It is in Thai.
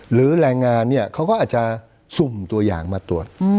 แรงงานเนี่ยเขาก็อาจจะสุ่มตัวอย่างมาตรวจ